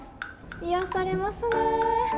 癒やされますね。